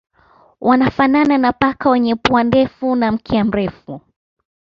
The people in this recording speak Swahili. Wanafanana na paka wenye pua ndefu na mkia mrefu.